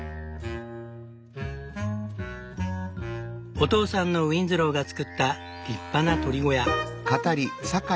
お父さんのウィンズローが造った立派な鶏小屋。